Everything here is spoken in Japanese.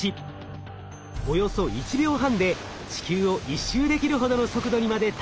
およそ１秒半で地球を１周できるほどの速度にまで達します。